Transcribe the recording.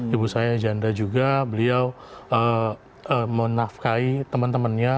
ibu saya janda juga beliau menafkai teman temannya